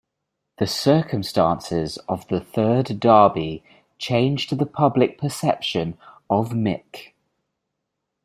The circumstances of the third derby changed the public perception of Mick.